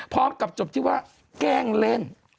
พร้อมกับจบที่ว่าแกล้งเล่น